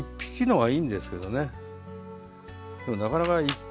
はい。